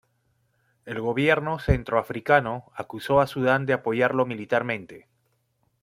El Gobierno Centroafricano acusó a Sudán de apoyarlo militarmente.